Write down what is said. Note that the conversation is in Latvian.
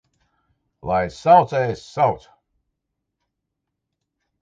Lai saucējs sauc!